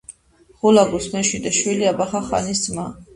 ჰულაგუს მეშვიდე შვილი, აბაღა-ხანის ძმა.